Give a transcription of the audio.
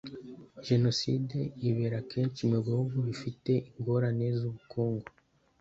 jenoside ibera kenshi mu bihugu bifite ingorane z ubukungu